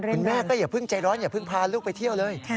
คุณแม่ก็อย่าเพิ่งใจร้อนอย่าเพิ่งพาลูกไปเที่ยวเลย